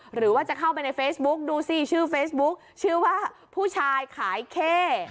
หรือว่าจะเข้าไปในเฟซบุ๊กดูสิชื่อเฟซบุ๊คชื่อว่าผู้ชายขายเข้